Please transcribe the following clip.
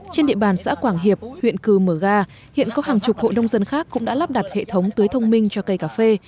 trên địa bàn xã quảng hiệp huyện cư mờ ga hiện có hàng chục hộ nông dân khác cũng đã lắp đặt hệ thống tưới thông minh cho cây cà phê